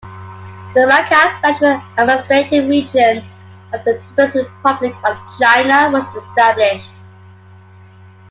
The Macau Special Administrative Region of the People's Republic of China was established.